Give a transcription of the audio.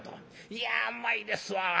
「いやうまいですわ。